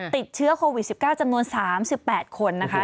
ติดเชื้อโควิด๑๙จำนวน๓๘คนนะคะ